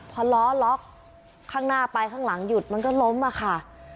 พอล้อล็อกข้างหน้าไปข้างหลังหยุดมันก็ล้มอะค่ะ